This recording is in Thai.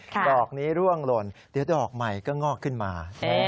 ดอกนี้ร่วงหล่นเดี๋ยวดอกใหม่ก็งอกขึ้นมา